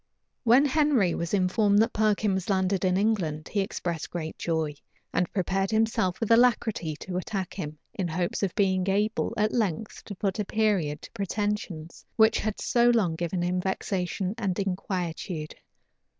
When Henry was informed that Perkin was landed in England, he expressed great joy, and prepared himself with alacrity to attack him, in hopes of being able, at length, to put a period to pretensions which had so long given him vexation and inquietude.